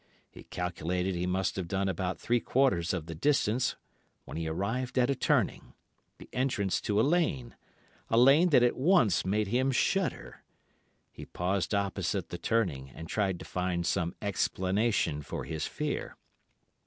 He calculated he must have done about three quarters of the distance, when he arrived at a turning—the entrance to a lane—a lane that at once made him shudder. He paused opposite the turning, and tried to find some explanation for his fear.